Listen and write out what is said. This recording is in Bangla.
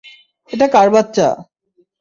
এটা কার বাচ্চা?